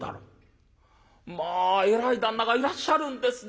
「まあえらい旦那がいらっしゃるんですね。